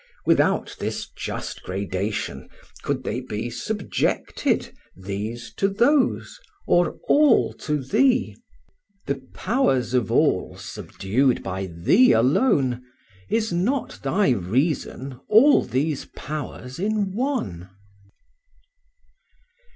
Without this just gradation, could they be Subjected, these to those, or all to thee? The powers of all subdued by thee alone, Is not thy reason all these powers in one?